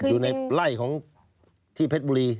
อยู่ในไล่ของที่เพชรบุรี